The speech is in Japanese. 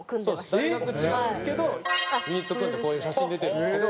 大学違うんですけどユニット組んでこういう写真出てるんですけど。